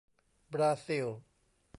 บราซิล